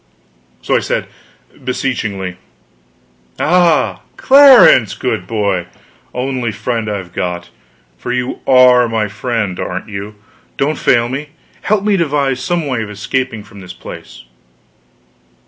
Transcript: So I said beseechingly: "Ah, Clarence, good boy, only friend I've got, for you are my friend, aren't you? don't fail me; help me to devise some way of escaping from this place!"